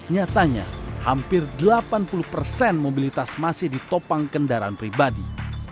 nyatanya hampir delapan puluh persen mobilitas masih ditopang kendaraan pribadi